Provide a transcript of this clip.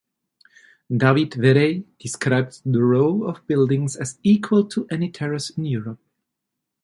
David Verey described the row of buildings as "equal to any terrace in Europe".